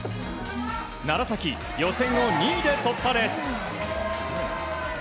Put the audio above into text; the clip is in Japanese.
楢崎、予選を２位で突破です。